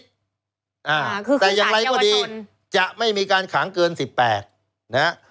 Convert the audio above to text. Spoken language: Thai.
คือขึ้นสถานเยาวชนแต่อย่างไรก็ดีจะไม่มีการขางเกิน๑๘